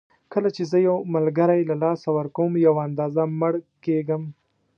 کله چې زه یو ملګری له لاسه ورکوم یوه اندازه مړ کېږم.